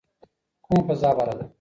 کومه فضا غوره ده؟